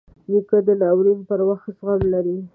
نیکه د ناورین پر وخت زغم لري.